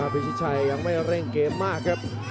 พิชิชัยยังไม่เร่งเกมมากครับ